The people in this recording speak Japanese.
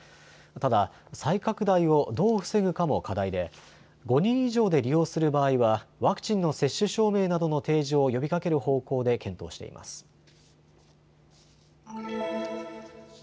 ただ、再拡大をどう防ぐかも課題で５人以上で利用する場合はワクチンの接種証明などの提示を呼びかける方向で検討しています。